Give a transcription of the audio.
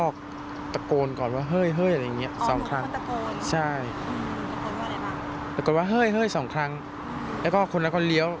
เขาก็กลับทางเดิมเลย